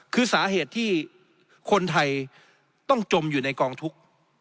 คือสาเหตุที่คนไทยต้องจมอยู่ในกองทุกข์